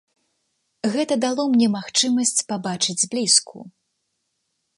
Гэта дало мне магчымасць пабачыць зблізку.